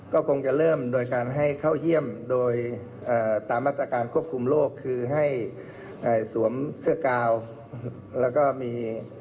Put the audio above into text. ก็คงจะเริ่มโดยการให้เข้าเยี่ยมโดยตามมาตรการควบคุมโรคคือให้สวมเสื้อกาวแล้วก็มี